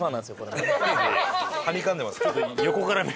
はにかんでます。